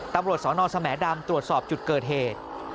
ตำรวจสนสแหมดำตรวจสอบจุดเกิดเหตุ